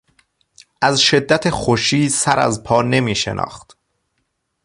از شدت خوشی سر از پا نمیشناخت.